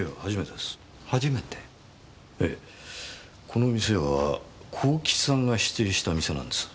この店は幸吉さんが指定した店なんです。